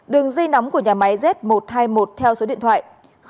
đường di nắm của nhà máy z một trăm hai mươi một theo số điện thoại